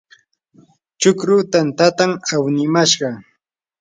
chukru tantatam awnimashqa.